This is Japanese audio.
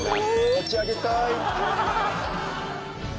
持ち上げたい。